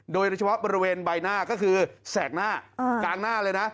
โดยเฉพาะบริเวณใบหน้าก็คือแสกหน้ากางหน้าเลยนะ